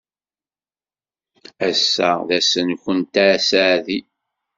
Ass-a d ass-nwent aseɛdi.